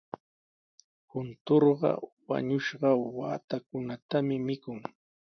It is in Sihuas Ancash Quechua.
Kunturqa wañushqa waatakunatami mikun.